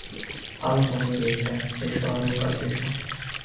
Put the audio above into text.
–আলো কমে গিয়েছে, এস আরও কাছে এস।